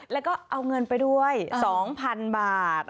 แล้วก็เอาเงินไปด้วย๒๐๐๐บาท